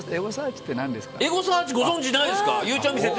ご存じないですか？